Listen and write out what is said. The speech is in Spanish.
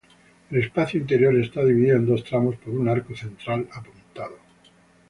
El espacio interior está dividido en dos tramos por un arco central apuntado.